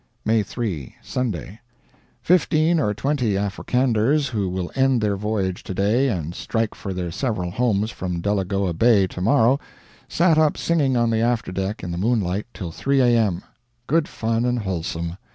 May 3. Sunday. Fifteen or twenty Africanders who will end their voyage to day and strike for their several homes from Delagoa Bay to morrow, sat up singing on the afterdeck in the moonlight till 3 A.M. Good fun and wholesome.